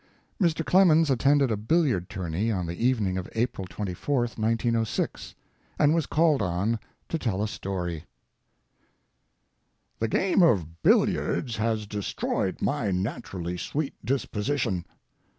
BILLIARDS Mr. Clemens attended a billiard tourney on the evening of April 24, 1906, and was called on to tell a story. The game of billiards has destroyed my naturally sweet disposition.